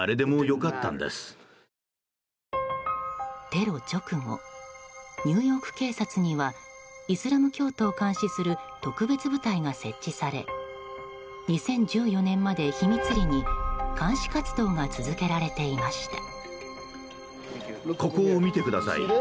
テロ直後ニューヨーク警察にはイスラム教徒を監視する特別部隊が設置され２０１４年まで秘密裏に監視活動が続けられていました。